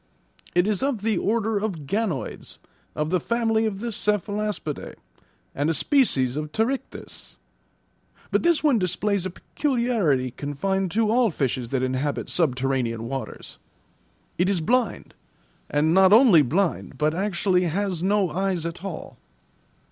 "It is of the order of ganoids, of the family of the cephalaspidae; and a species of pterichthys. But this one displays a peculiarity confined to all fishes that inhabit subterranean waters. It is blind, and not only blind, but actually has no eyes at all."